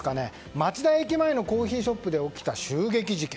町田駅前のコーヒーショップで起きた襲撃事件。